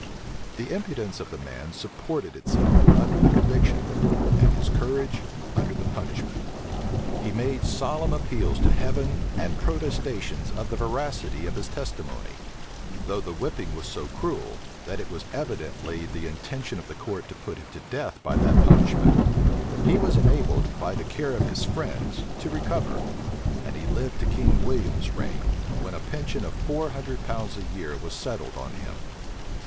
The impudence of the man supported itself under the conviction, and his courage under the punishment. He made solemn appeals to Heaven, and protestations of the veracity of his testimony: though the whipping was so cruel, that it was evidently the intention of the court to put him to death by that punishment, he was enabled, by the care of his friends, to recover; and he lived to King William's reign, when a pension of four hundred pounds a year was settled on him.